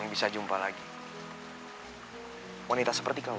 semoga kau mempertimbangkan tawaratku tadi